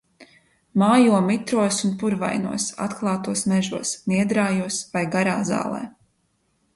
Mājo mitros un purvainos, atklātos mežos, niedrājos vai garā zālē.